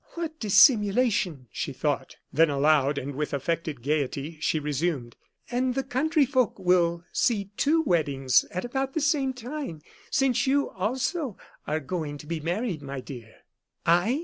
"What dissimulation!" she thought. Then aloud, and with affected gayety, she resumed: "And the country folks will see two weddings at about the same time, since you, also, are going to be married, my dear." "I!"